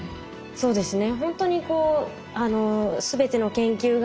そうですね。